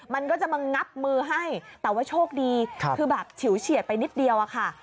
มันก็จะมางับมือให้แต่ว่าโชคดีคือแบบฉิวเฉียดไปนิดเดียวอะค่ะ